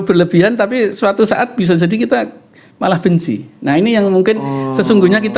berlebihan tapi suatu saat bisa jadi kita malah benci nah ini yang mungkin sesungguhnya kita